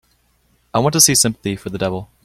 I want to see Sympathy for the Devil